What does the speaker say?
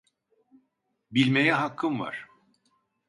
Bilmeye hakkım var.